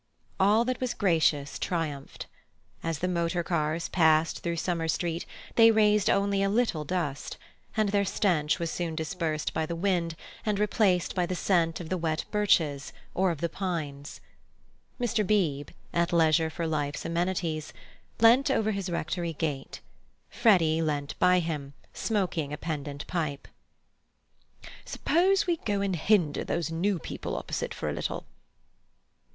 All that was gracious triumphed. As the motorcars passed through Summer Street they raised only a little dust, and their stench was soon dispersed by the wind and replaced by the scent of the wet birches or of the pines. Mr. Beebe, at leisure for life's amenities, leant over his Rectory gate. Freddy leant by him, smoking a pendant pipe. "Suppose we go and hinder those new people opposite for a little."